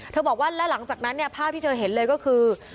บอกว่าและหลังจากนั้นเนี่ยภาพที่เธอเห็นเลยก็คือ